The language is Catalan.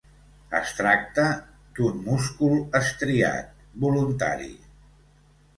Es tracta d'un múscul estriat, voluntari.